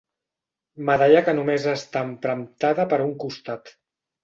Medalla que només està empremtada per un costat.